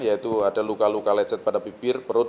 yaitu ada luka luka lecet pada bibir perut